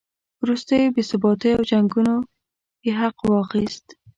وروستیو بې ثباتیو او جنګونو یې حق واخیست.